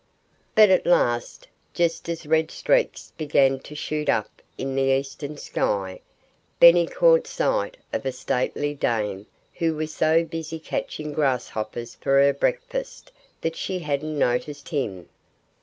But at last, just as red streaks began to shoot up in the eastern sky, Benny caught sight of a stately dame who was so busy catching grasshoppers for her breakfast that she hadn't noticed him.